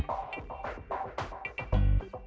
satu tua satu berisik